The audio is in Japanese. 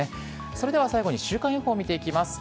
それでは最後に週間予報を見ていきます。